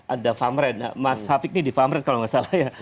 ada famred mas hafiq ini di famred kalau tidak salah